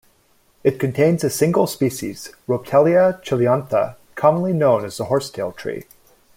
It contains a single species, Rhoiptelea chiliantha, commonly known as the horsetail tree.